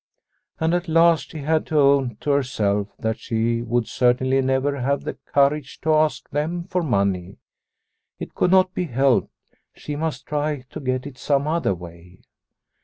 And at last she had to own to herself that she would certainly never have the courage to ask them for money. It could not be helped, she must try to get it some other way.